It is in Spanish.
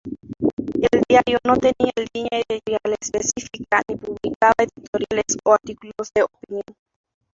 El diario no tenía línea editorial específica, ni publicaba editoriales o artículos de opinión.